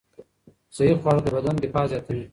صحي خواړه د بدن دفاع زیاتوي.